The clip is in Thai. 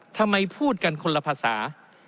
ทำไมพูดกันคนละภาษา